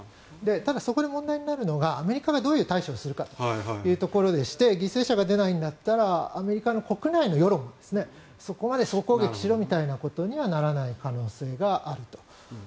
ただそこで問題になるのがアメリカがどういう対処をするかというところでして犠牲者が出ないんだったらアメリカの国内の世論もそこまで総攻撃しろみたいなことにはならない可能性があると。